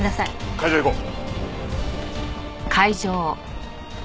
会場へ行こう。